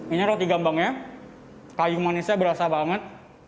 ini roti gambangnya kayu manisnya berasa banget